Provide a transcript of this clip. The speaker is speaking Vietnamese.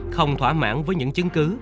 không thỏa mãn với những chứng cứ